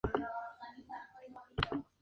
Babyface ataca y Tree le dispara al matarlo.